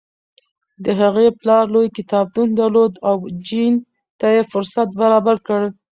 د هغې پلار لوی کتابتون درلود او جین ته یې فرصت برابر کړ.